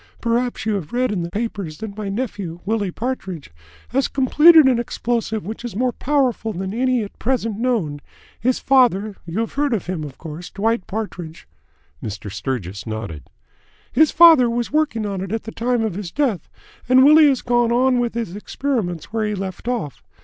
Perhaps you have read in the papers that my nephew, Willie Partridge, has completed an explosive which is more powerful than any at present known. His father you have heard of him, of course Dwight Partridge." Mr. Sturgis nodded. "His father was working on it at the time of his death, and Willie has gone on with his experiments where he left off.